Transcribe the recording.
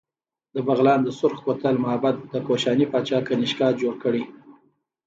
د بغلان د سورخ کوتل معبد د کوشاني پاچا کنیشکا جوړ کړی